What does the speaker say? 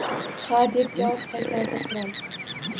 Ha, — deb javob qaytardi qirol.